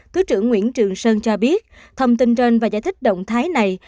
thứ trưởng nguyễn trường sơn cho biết thông tin trên và giải thích động thái này